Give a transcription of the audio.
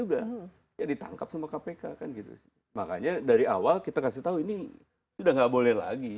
juga ya ditangkap sama kpk kan gitu makanya dari awal kita kasih tahu ini sudah nggak boleh lagi